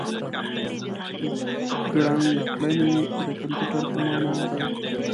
ګڼکړنی د کمپیوټر په مانا دی.